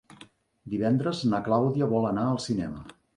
Divendres na Clàudia vol anar al cinema.